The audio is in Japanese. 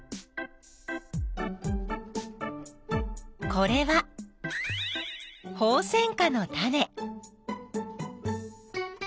これはホウセンカのタネ。